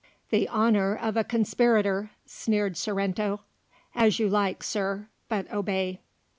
"The honour of a conspirator," sneered Sorrento. "As you like, Sir, but obey."